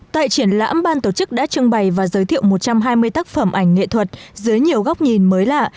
tại triển lãm ban tổ chức đã trưng bày và giới thiệu một trăm hai mươi tác phẩm ảnh nghệ thuật dưới nhiều góc nhìn mới lạ